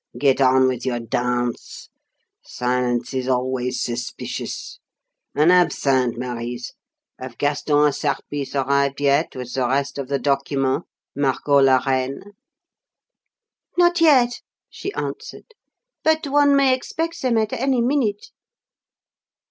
Get on with your dance silence is always suspicious. An absinthe, Marise! Have Gaston and Serpice arrived yet with the rest of the document, Margot la reine?" "Not yet," she answered. "But one may expect them at any minute."